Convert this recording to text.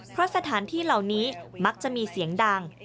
เพราะสถานที่เหล่านี้มักจะมีเสียงดัง